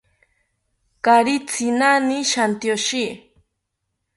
Kaari tzinani shantyoshi